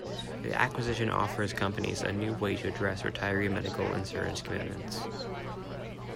The acquisition offers companies a new way to address retiree medical insurance commitments.